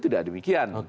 tidak ada demikian